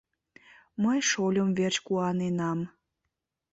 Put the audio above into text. Мый шольым верч куаненам.